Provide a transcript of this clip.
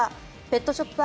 ペットショップ